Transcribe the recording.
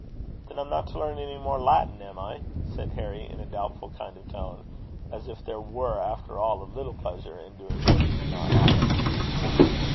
"Then I'm not to learn any more Latin, am I?" said Harry, in a doubtful kind of tone, as if there were after all a little pleasure in doing what he did not like.